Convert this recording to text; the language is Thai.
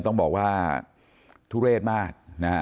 ต้องบอกว่าทุเรศมากนะฮะ